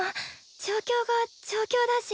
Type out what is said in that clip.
状況が状況だし。